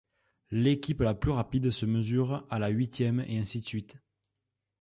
L'équipe la plus rapide se mesure à la huitième et ainsi de suite.